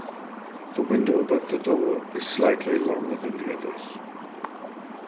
The window above the door is slightly longer than the others.